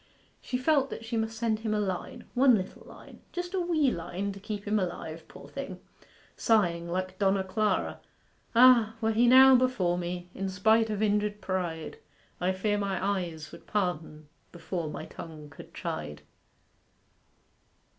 She felt that she must send him a line one little line just a wee line to keep him alive, poor thing; sighing like Donna Clara 'Ah, were he now before me, In spite of injured pride, I fear my eyes would pardon Before my tongue could chide.